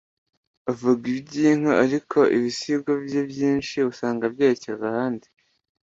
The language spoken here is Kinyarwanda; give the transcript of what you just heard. avuga iby'inka, ariko ibisigo bye byinshi usanga byerekeza ahandi